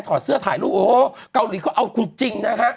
ถอดเสื้อถ่ายรูปโอ้โหการ์ลีเขาเอาคุณจริง